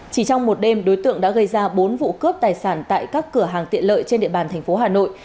chỉ trong một đêm đối tượng đã gây ra bốn vụ cướp tài sản tại các cửa hàng tiện lợi trên địa bàn thành phố hà nội